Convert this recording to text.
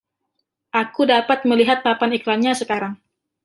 Aku dapat melihat papan iklannya sekarang.